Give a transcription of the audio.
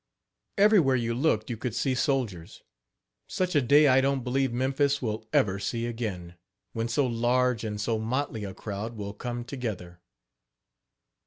Everywhere you looked you could see soldiers. Such a day I don't believe Memphis will ever see again when so large and so motley a crowd will come together.